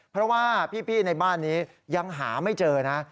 เพราะว่าพี่ในบ้านนี้ยังหาไม่เจอนะ